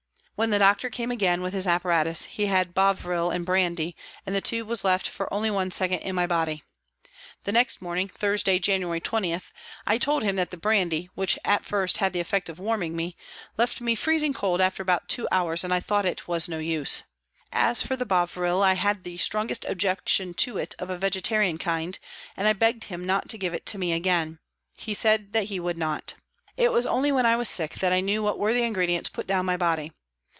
When the doctor came again with his apparatus he had bovril and brandy, and the tube was left for only one second in my body. The next morning, Thursday, January 20, I told him that the brandy, which at first had the effect of warming me, WALTON GAOL, LIVERPOOL 277 left me freezing cold after about two hours, and I thought it was no use. As for the bovril, I had the strongest objection to it of a vegetarian kind, and I begged him not to give it to me again ; he said he would not. It was only when I was sick that I knew what were the ingredients put down my body.